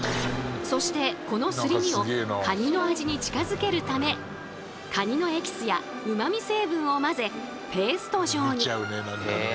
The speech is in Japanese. そしてこのすり身をカニの味に近づけるためカニのエキスやうまみ成分を混ぜペースト状に。